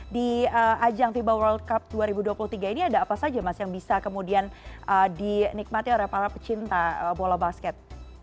di ajang fiba world cup dua ribu dua puluh tiga ini ada apa saja mas yang bisa kemudian dinikmati oleh para pecinta bola basket